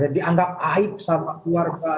dianggap aib sama keluarga